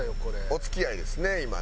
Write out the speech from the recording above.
お付き合いですね今ね。